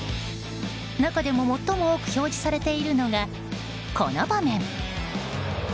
中でも最も多く表示されているのが、この場面。